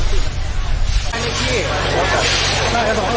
กินกว่าอีกแล้วนะครับ